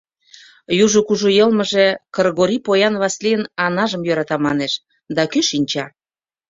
Южо кужу йылмыже «Кыргорий поян Васлийын Анажым йӧрата» манеш, да кӧ шинча.